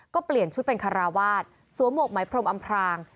ก็เปลี่ยนชุดเป็นคาราวาสสวมหวกไหมพรมอำพราง